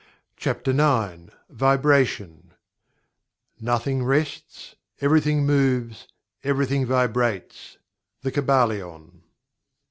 CHAPTER IX VIBRATION "Nothing rests; everything moves; everything vibrates." The Kybalion.